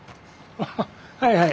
あはいはい。